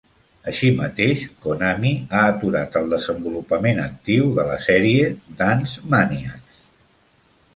Així mateix, Konami ha aturat el desenvolupament actiu de la sèrie Dance Maniax.